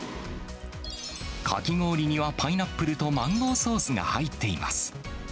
かき氷にはパイナップルとマンゴーソースが入っています。